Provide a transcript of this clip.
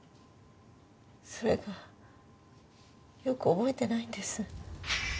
それがよく覚えてないんです。